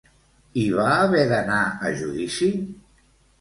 I va haver d'anar a judici?